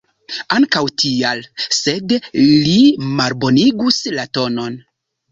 Ankaŭ tial, sed li malbonigus la tonon.